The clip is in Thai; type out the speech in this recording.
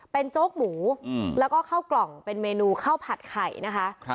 เป็นโจ๊กหมูแล้วก็ข้าวกล่องเป็นเมนูข้าวผัดไข่นะคะ